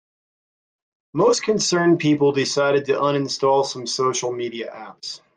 Many concerned people decided to uninstall some social media apps.